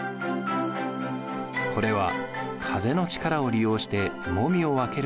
これは風の力を利用してもみを分ける農具です。